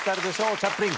チャップリン